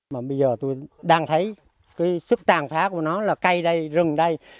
bây giờ tôi đang thấy sức tàn phá của nó là cây đây rừng đây